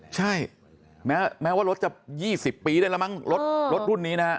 ใช่แม้ว่ารถจะ๒๐ปีได้แล้วมั้งรถรุ่นนี้นะฮะ